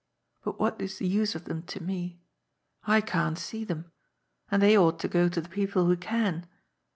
But what is the use of them to me ? I can't see them. And they ought to go to the people who can.